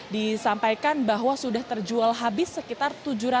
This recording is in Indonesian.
disampaikan bahwa sudah terjual habis sekitar